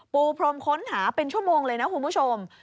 ปูพรมค้นหาเป็นชั่วโมงเลยนะคุณผู้ชม